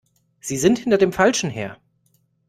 Sie sind hinter dem Falschen her!